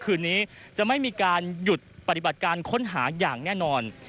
คืนนี้จะไม่มีการหยุดปฏิบัติการค้นหาอย่างแน่นอน